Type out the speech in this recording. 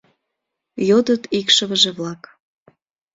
— йодыт икшывыже-влак.